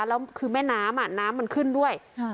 แล้วคือแม่น้ำน้ำมันขึ้นด้วย